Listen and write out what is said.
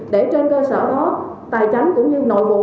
để trên cơ sở đó tài chánh cũng như nội vụ